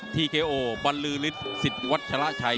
ทีเคโอบรรลือฤทธิสิทธิ์วัชละชัย